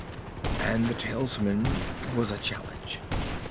And the talisman was a challenge.